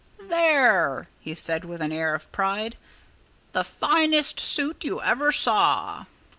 "There!" he said with an air of pride. "The finest suit you ever saw!"